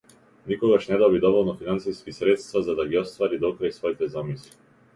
Никогаш не доби доволно финансиски средства за да ги оствари до крај своите замисли.